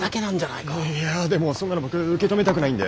いやでもそんなの僕受け止めたくないんで。